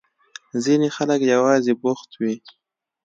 ځينې خلک يوازې بوخت وي.